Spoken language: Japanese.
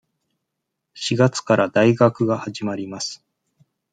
四月から大学が始まります。